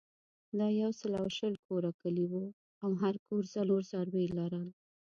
دا یو سل او شل کوره کلی وو او هر کور څلور څاروي لرل.